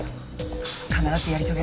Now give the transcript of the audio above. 必ずやり遂げる。